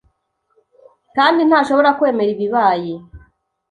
kandi ntashobora kwemera ibibaye